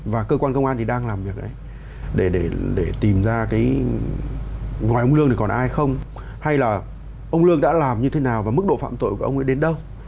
và cơ quan công an thì đang làm việc đấy để tìm ra ngoài ông vũ trọng lương còn ai không hay là ông vũ trọng lương đã làm như thế nào và mức độ phạm tội của ông ấy đến đâu